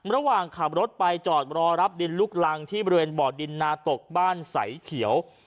ระหว่างขับรถไปจอดรอรับดินลุกลังที่บริเวณบ่อดินนาตกบ้านใสเขียว